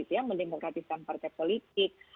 yang mendemokratiskan partai politik